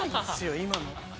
今の。